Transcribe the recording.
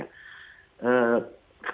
tekanan udara yang tadi kita lihat